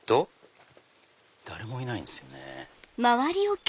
誰もいないんですよね。